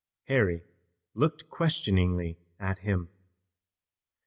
Harry looked questioningly at him.